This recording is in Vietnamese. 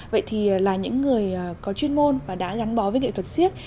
vậy thì là những người có chuyên môn và đã gắn bó với nghệ thuật siếc